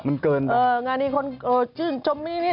แล้วก็มีคนคนจืนชมหนี